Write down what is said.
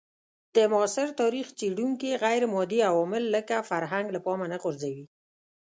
د معاصر تاریخ څېړونکي غیرمادي عوامل لکه فرهنګ له پامه نه غورځوي.